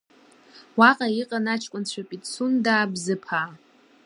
Уаҟа иҟан аҷкәынцәа Пицундаа, Бзыԥаа.